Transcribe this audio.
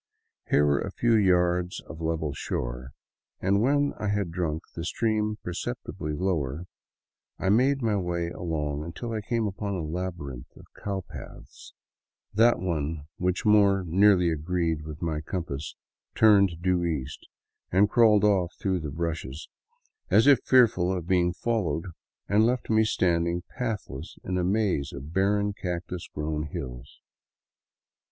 Here were a few yards of level shore, and when I had drunk the stream perceptibly lower, I made my way along until I came upon a labyrinth of cow paths. That one which most nearly agreed with my compass turned due east and crawled off through the bushes, as if fearful of being fol lowed, and left me standing pathless in a maze of barren, cactus grown hills.